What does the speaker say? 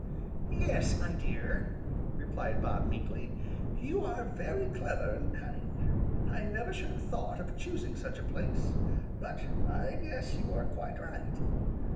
"Yes, my dear," replied Bob meekly. "You are very clever and cunning. I never should have thought of choosing such a place, but I guess you are quite right."